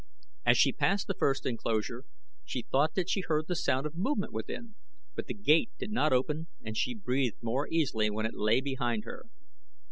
As she passed the first enclosure she thought that she heard the sound of movement within, but the gate did not open and she breathed more easily when it lay behind her.